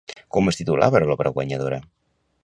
Com es titulava l'obra guardonada?